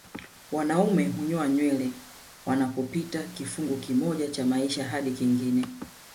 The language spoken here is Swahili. Wanaume hunyoa nywele wanapopita kifungu kimoja cha maisha hadi kingine